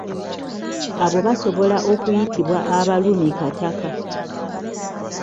Abo basobola okuyitibwa abalumikattaka.